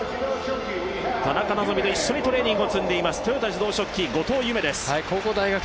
田中希実と一緒にトレーニングを積んでいます豊田自動織機、後藤夢です。